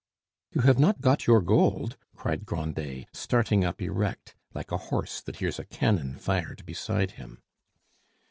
"You have not got your gold!" cried Grandet, starting up erect, like a horse that hears a cannon fired beside him.